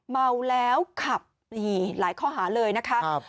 เมาแล้วขับหลายข้อหาเลยนะครับ